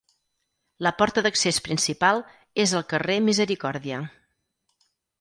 La porta d'accés principal és al carrer Misericòrdia.